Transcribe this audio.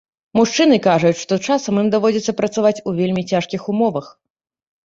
Мужчыны кажуць, што часам ім даводзіцца працаваць у вельмі цяжкіх умовах.